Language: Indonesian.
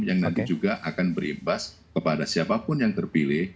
yang nanti juga akan berimbas kepada siapapun yang terpilih